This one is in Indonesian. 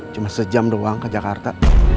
cuma sejam doang ke jakarta